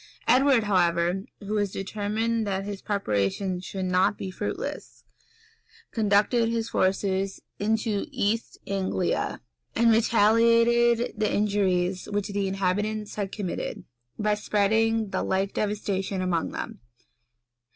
Edward, however, who was determined that his preparations should not be fruitless, conducted his forces into East Anglia, and retaliated the injuries which the inhabitants had committed, by spreading the like devastation among them.